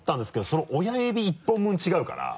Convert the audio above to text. その親指１本分違うから。